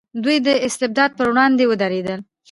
دوی د استبداد پر وړاندې ودرېدل.